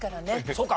そうか。